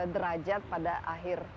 derajat pada akhir